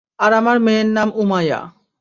আর আমার মেয়ের নাম উমায়া।